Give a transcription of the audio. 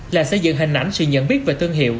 là xây dựng hình ảnh sự nhận biết về thương hiệu